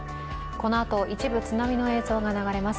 このあと一部、津波の映像が流れます。